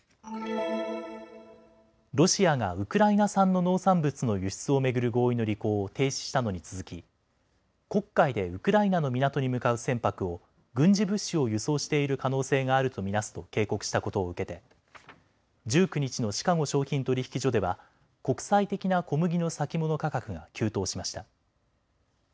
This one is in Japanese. ロシアがウクライナ産の農産物の輸出を巡る合意の履行を停止したのに続き黒海でウクライナの港に向かう船舶を軍事物資を輸送している可能性があると見なすと警告したことを受けて１９日のシカゴ商品取引所では国際的な小麦の先物価格が急騰しました。